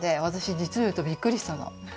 じつをいうとびっくりしたの。